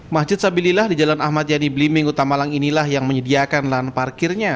masjid sabilillah di jalan ahmad yani blimbing kota malang inilah yang menyediakan lahan parkirnya